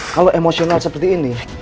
kalau emosional seperti ini